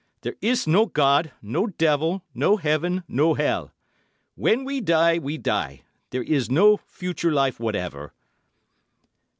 There is no God, no devil, no heaven, no hell. When we die, we die—there is no future life whatever."